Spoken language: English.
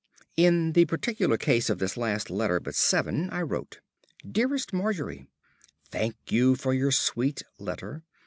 In the particular case of this last letter but seven I wrote: "DEAREST MARGERY, Thank you for your sweet letter.